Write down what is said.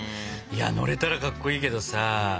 いや乗れたらかっこいいけどさ。